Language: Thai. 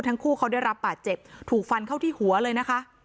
ทั้งคู่เขาได้รับบาดเจ็บถูกฟันเข้าที่หัวเลยนะคะ